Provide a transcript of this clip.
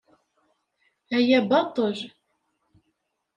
Aya baṭel.